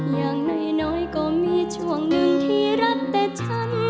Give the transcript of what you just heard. อย่างน้อยก็มีช่วงหนึ่งที่รักแต่ฉัน